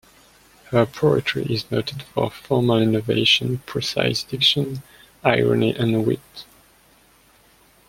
Her poetry is noted for formal innovation, precise diction, irony, and wit.